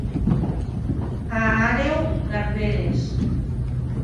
A Àreu, garberes.